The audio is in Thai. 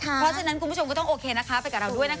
เพราะฉะนั้นคุณผู้ชมก็ต้องโอเคนะคะไปกับเราด้วยนะคะ